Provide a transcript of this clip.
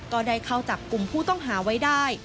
ก็ได้เข้าจับกลุ่มผู้ต้องหาไว้ได้